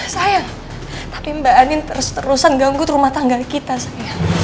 sayang tapi mbak anin terus terusan ganggu rumah tangga kita saya